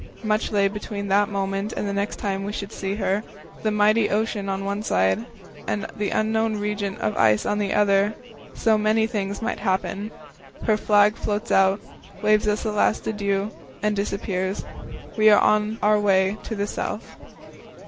Much lay between that moment and the next time we should see her. The mighty ocean on one side, and the unknown region of ice on the other; so many things might happen. Her flag floats out, waves us a last adieu, and disappears. We are on our way to the South.